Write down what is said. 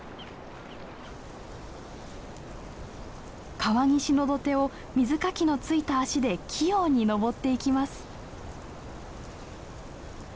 川岸の土手を水かきのついた足で器用に登っていきます。